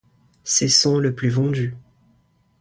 C'est son le plus vendu.